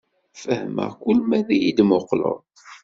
Fehmeɣ kul ma yi-d-muqleḍ.